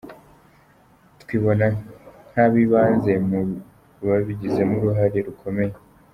Twibona nk’abibanze mu babigizemo uruhare rukomeye.